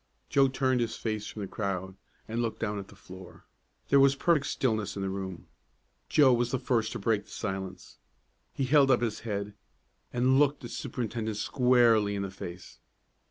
Joe turned his face from the crowd, and looked down at the floor. There was perfect stillness in the room. Joe was the first to break the silence. He held up his head, and looked the superintendent squarely in the face.